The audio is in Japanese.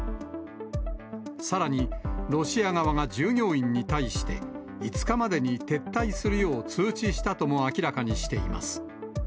さらに、ロシア側が従業員に対して、５日までに撤退するよう通知したとも明らかにしています。